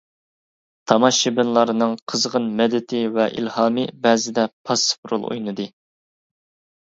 تاماشىبىنلارنىڭ قىزغىن مەدىتى ۋە ئىلھامى بەزىدە پاسسىپ رول ئوينىدى.